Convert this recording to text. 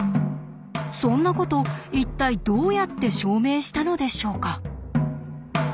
そんなこと一体どうやって証明したのでしょうか。